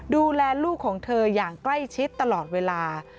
ดูแลลูกของเธออย่างใกล้ชิดตลอดเวลา